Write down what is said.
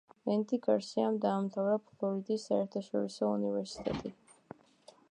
ენდი გარსიამ დაამთავრა ფლორიდის საერთაშორისო უნივერსიტეტი.